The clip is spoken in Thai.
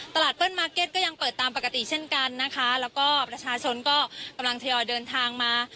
เปิ้ลมาร์เก็ตก็ยังเปิดตามปกติเช่นกันนะคะแล้วก็ประชาชนก็กำลังทยอยเดินทางมา